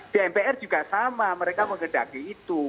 di mpr juga sama mereka menggedaki itu